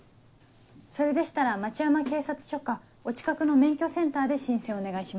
それでしたら町山警察署かお近くの免許センターで申請をお願いします。